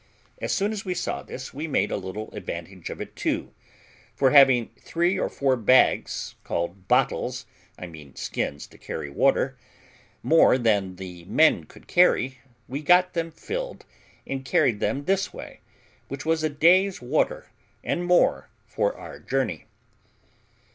As soon as we saw this, we made a little advantage of it too; for having three or four bags, called bottles (I mean skins to carry water), more than the men could carry, we got them filled, and carried them this way, which was a day's water and more, for our journey.